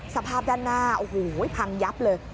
สภาพด้านหน้าโอ้โหพังยับเลย